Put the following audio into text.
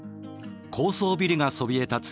高層ビルがそびえ立つ